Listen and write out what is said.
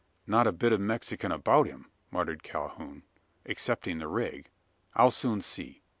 "Not a bit of Mexican about him," muttered Calhoun, "excepting the rig. I'll soon see.